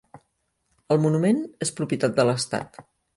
El monument és propietat de l'estat.